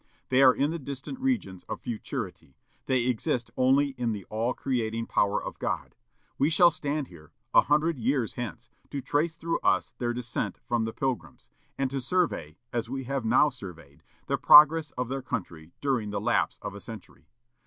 They are in the distant regions of futurity, they exist only in the all creating power of God, who shall stand here, a hundred years hence, to trace through us their descent from the Pilgrims, and to survey, as we have now surveyed, the progress of their country during the lapse of a century.